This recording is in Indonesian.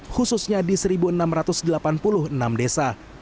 khususnya di satu enam ratus delapan puluh enam desa